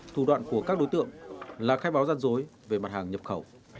thủ đoạn của các đối tượng là khai báo gian dối về mặt hàng nhập khẩu